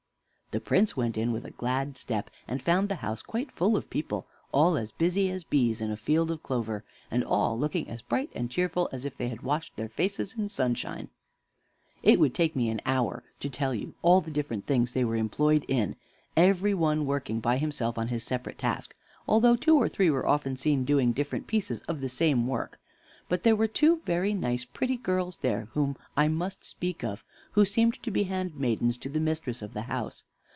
The Prince went in with a glad step, and found the house quite full of people, all as busy as bees in a field of clover, and all looking as bright and cheerful as if they had washed their faces in sunshine. It would take me an hour to tell you all the different things they were employed in, every one working by himself on his separate task, although two or three were often seen doing different pieces of the same work. But there were two very nice, pretty girls there whom I must speak of, who seemed to be handmaidens to the mistress of the house.